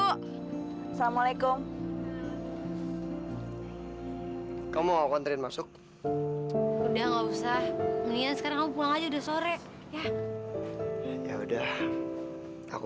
hai kamu kontrin masuk udah nggak usah ini sekarang pulang aja udah sore ya ya udah aku